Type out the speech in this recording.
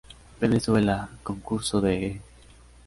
Venezuela, concurso de E!